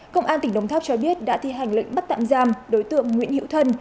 công an tp đồng tháp cho biết đã thi hành lệnh bắt tạm giam đối tượng nguyễn hữu thân